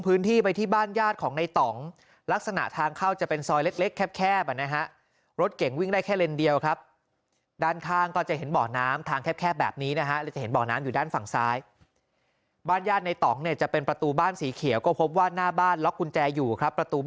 เขาไปที่บ้านญาติของในต่องลักษณะทางเข้าจะเป็นซอยเล็ก